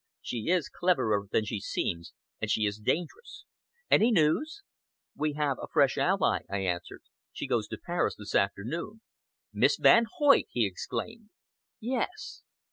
She is cleverer than she seems, and she is dangerous. Any news?" "We have a fresh ally," I answered. "She goes to Paris this afternoon." "Miss Van Hoyt?" he exclaimed. "Yes!"